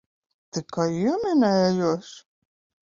Tikai ieminējos.